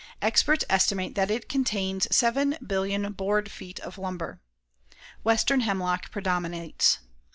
Experts estimate that it contains 7,000,000,000 board feet of lumber. Western hemlock predominates.